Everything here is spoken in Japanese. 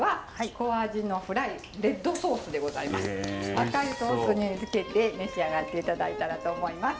赤いソースにつけて召し上がっていただいたらと思います。